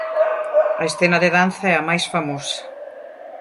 A escena de danza é a máis famosa.